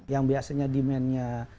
yang biasanya demand nya